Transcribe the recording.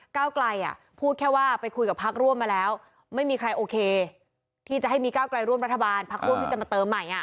เก้าไกลพูดแค่ว่าไปคุยกับพักร่วมมาแล้วไม่มีใครโอเคที่จะให้มีก้าวไกลร่วมรัฐบาลพักร่วมที่จะมาเติมใหม่